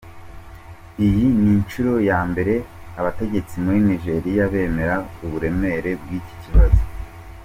Iyi ni inshuro ya mbere abategetsi muri Nijeriya bemera uburemere bw'iki kibazo.